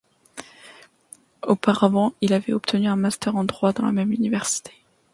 Auparavant il avait obtenu un master en droit dans la même université.